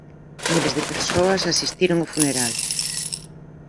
Miles de persoas asistiron ao funeral.